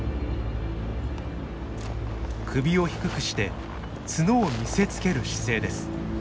首を低くして角を見せつける姿勢です。